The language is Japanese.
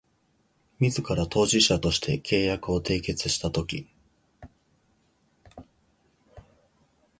自ら当事者として契約を締結したとき